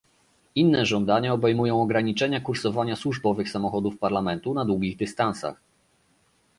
Inne żądania obejmują ograniczenie kursowania służbowych samochodów Parlamentu na długich dystansach